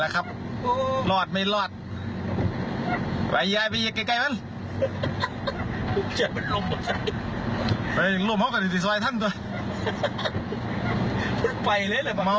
ขาบเรียนรึเปล่ามีขาบครับกลับคืนมา